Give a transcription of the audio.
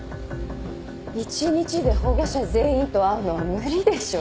１日で保護者全員と会うのは無理でしょう。